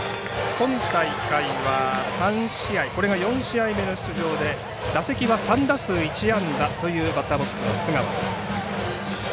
今大会は３試合これが４試合目の出場で打席は３打数１安打というバッターボックスの須川です。